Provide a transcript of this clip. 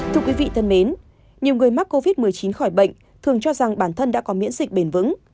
thưa quý vị thân mến nhiều người mắc covid một mươi chín khỏi bệnh thường cho rằng bản thân đã có miễn dịch bền vững